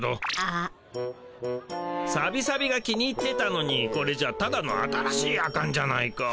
サビサビが気に入ってたのにこれじゃただの新しいヤカンじゃないか。